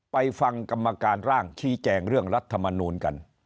ไปฟังกรรมการร่างชี้แจงเรื่องรัฐมนูลกัน